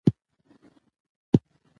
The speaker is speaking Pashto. د ولس ملاتړ د مشروعیت دوام ضامن دی